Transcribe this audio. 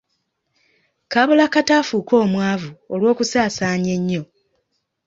Kaabulakata afuuke omwavu olw'okusaasaanya ennyo.